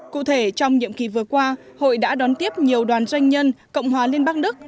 cụ thể trong nhiệm kỳ vừa qua hội đã đón tiếp nhiều đoàn doanh nhân cộng hòa liên bang đức